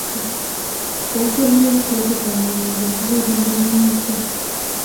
Obukulembeze kirooto kya buli muntu okuviira ddaala mu buto.